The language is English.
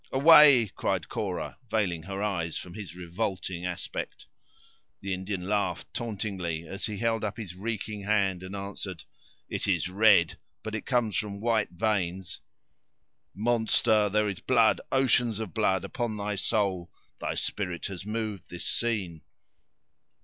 "Away!" cried Cora, veiling her eyes from his revolting aspect. The Indian laughed tauntingly, as he held up his reeking hand, and answered: "It is red, but it comes from white veins!" "Monster! there is blood, oceans of blood, upon thy soul; thy spirit has moved this scene."